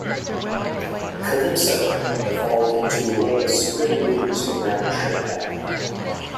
Calypso evolved into a way of spreading news around Trinidad.